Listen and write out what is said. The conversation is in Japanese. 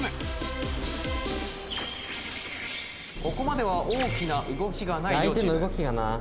ここまでは大きな動きがない両チーム。